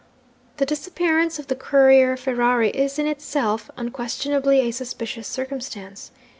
'The disappearance of the courier Ferrari is, in itself, unquestionably a suspicious circumstance.